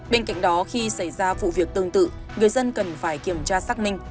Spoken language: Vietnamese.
bên cạnh đó khi xảy ra vụ việc tương tự người dân cần phải kiểm tra xác minh